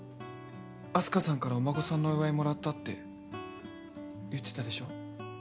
あす花さんからお孫さんのお祝いもらったって言ってたでしょ？